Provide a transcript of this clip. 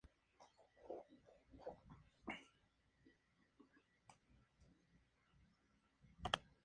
Hayashi generalizó el lema de bombeo a gramáticas indexadas.